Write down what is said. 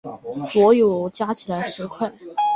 表示书籍出版时已经去世。